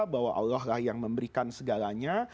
bahwa allah lah yang memberikan segalanya